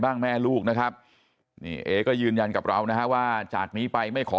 แม่ลูกนะครับนี่เอก็ยืนยันกับเรานะฮะว่าจากนี้ไปไม่ขอ